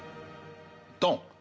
ドン！